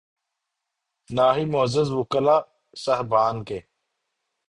نہ ہی معزز وکلا صاحبان کے۔